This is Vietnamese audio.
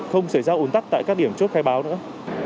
không xảy ra ủn tắc tại các điểm chốt khai báo nữa